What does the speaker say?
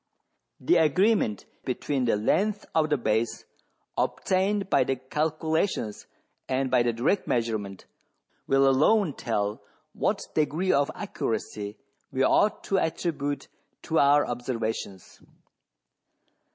The agreement between thelengthsof the base, obtained by the calculations and by the direct measurement, will alone tell what degree of accuracy we ought to attribute to our observations."